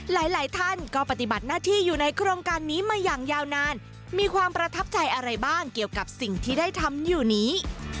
หลายท่านก็ปฏิบัติหน้าที่อยู่ในโครงการนี้มาอย่างยาวนานมีความประทับใจอะไรบ้างเกี่ยวกับสิ่งที่ได้ทำอยู่นี้